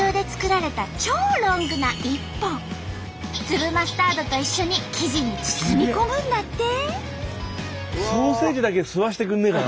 粒マスタードと一緒に生地に包み込むんだって。